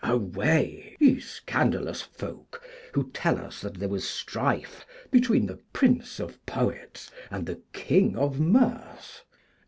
Away, ye scandalous folk, who tell us that there was strife between the Prince of Poets and the King of Mirth.